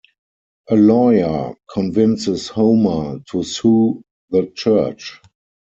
A lawyer convinces Homer to sue the church.